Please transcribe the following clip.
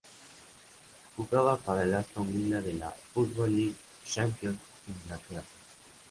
Jugaba para el Aston Villa de la Football League Championship de Inglaterra.